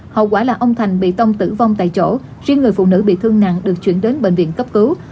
hậu quả là ông thành bị tông tử vong tại chỗ riêng người phụ nữ bị thương nặng được chuyển đến bệnh viện cấp cứu